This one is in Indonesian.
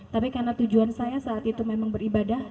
tapi karena tujuan saya saat itu memang beribadah